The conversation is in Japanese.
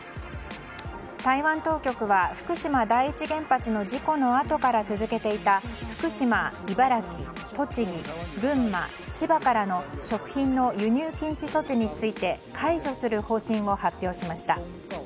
台湾当局は福島第一原発の事故のあとから続けていた福島、茨城、栃木群馬、千葉からの食品の輸入禁止措置について解除する方針を発表しました。